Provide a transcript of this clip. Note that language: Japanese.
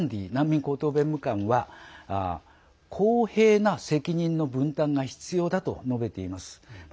国連のフィリッポ・グランディ難民高等弁務官は公平な責任の分担が必要だと述べています。